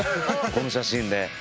この写真で。